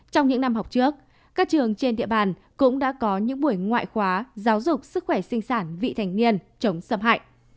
trong những năm học trước các trường trên địa bàn cũng đã có những buổi ngoại khóa giáo dục sức khỏe sinh sản vị thành niên chống xâm hại